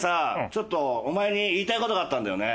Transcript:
ちょっとお前に言いたい事があったんだよね。